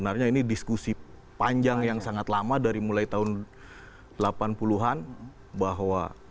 jadi itu adalah hal yang panjang yang sangat lama dari mulai tahun delapan puluh an bahwa